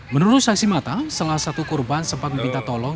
menurut saksi mata salah satu korban sempat meminta tolong